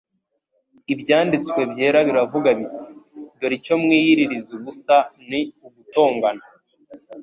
Ibyanditswe byera biravuga biti : "Dore icyo mwiyiririza ubusa ni ugutongana,